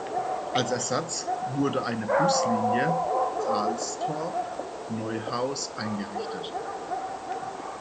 Als Ersatz wurde eine Buslinie Brahlstorf−Neuhaus eingerichtet.